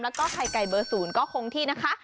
ยังไทกลได้ยังไก่เบอร์ศูนย์ก็คงที่นะคะ